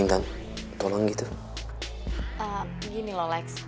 intinya jangan pigup p steering